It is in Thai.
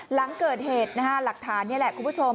หลังเกิดเหตุนะฮะหลักฐานนี่แหละคุณผู้ชม